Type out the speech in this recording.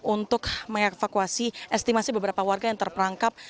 untuk mengevakuasi estimasi beberapa warga yang terperangkap